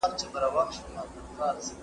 ته ولي د دې نجلۍ نکاح نه منې؟